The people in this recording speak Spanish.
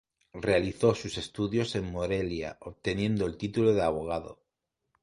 Realizó sus estudios en Morelia obteniendo el título de abogado.